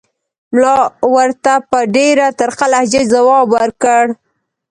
ملا ورته په ډېره ترخه لهجه ځواب ورکړ.